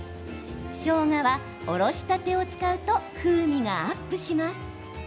しょうがは、おろしたてを使うと風味がアップします。